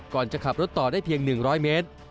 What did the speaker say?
ก่อนจะขับรถต่อได้เพียงหนึ่งร้อยเมตร